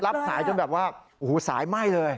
รับสายจนแบบว่าโอ้โหสายไหม้เลย